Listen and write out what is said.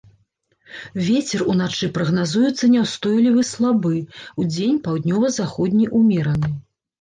Вецер уначы прагназуецца няўстойлівы слабы, удзень паўднёва-заходні ўмераны.